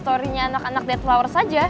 tapi nyeri anak anak dead flower saja